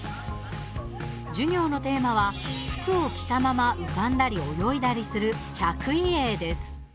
授業のテーマは服を着たまま、浮かんだり泳いだりする着衣泳です。